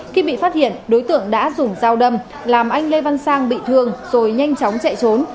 khi bị phát hiện đối tượng đã dùng dao đâm làm anh lê văn sang bị thương rồi nhanh chóng chạy trốn